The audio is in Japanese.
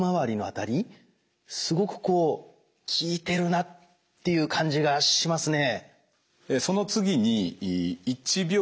すごくこう効いてるなっていう感じがしますね。